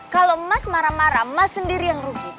kalau mas marah marah mas sendiri yang rugi